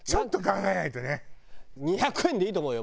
２００円でいいと思うよ